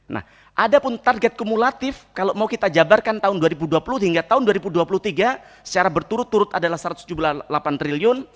nah ada pun target kumulatif kalau mau kita jabarkan tahun dua ribu dua puluh hingga tahun dua ribu dua puluh tiga secara berturut turut adalah rp satu ratus tujuh puluh delapan triliun